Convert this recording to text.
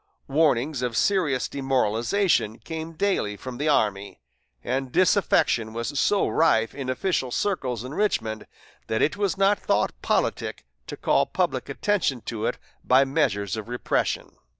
Warnings of serious demoralization came daily from the army, and disaffection was so rife in official circles in Richmond that it was not thought politic to call public attention to it by measures of repression.